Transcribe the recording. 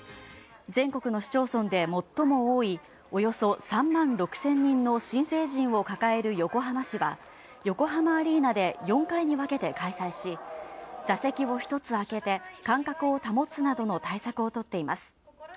全国の市町村で最も多いおよそ３万６０００人の新成人を抱える横浜市は、横浜アリーナで４回に分けて開催し、座席を一つ開けて間隔を保つなどの対策を取っています。